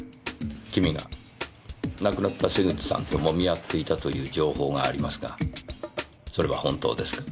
君が亡くなった瀬口さんともみあっていたという情報がありますがそれは本当ですか？